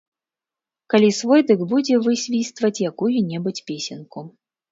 Калі свой, дык будзе высвістваць якую-небудзь песеньку.